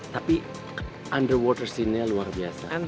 tapi underwater scene nya luar biasa